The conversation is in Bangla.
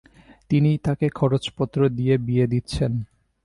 তিনিই তাকে খরচপত্র দিয়ে বিয়ে দিচ্ছেন।